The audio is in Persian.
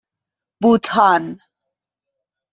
بوتان